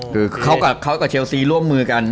คือเขากับเชลซีร่วมมือกัน